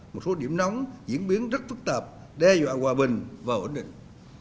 một số điểm nóng diễn biến rất phức tạp đe dọa hòa bình và ổn định